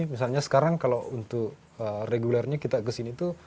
misalnya sekarang kalau untuk regulernya kita kesini tuh